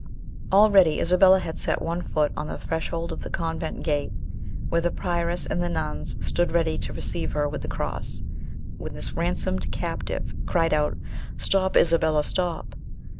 Already Isabella had set one foot on the threshold of the convent gate, where the prioress and the nuns stood ready to receive her with the cross, when this ransomed captive cried out, "Stop, Isabella, stop!"